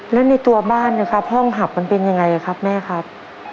แล้วในตัวบ้านนะครับห้องหับมันเป็นยังไงครับแม่ครับ